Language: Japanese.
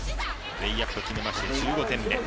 レイアップ決めまして１５点目。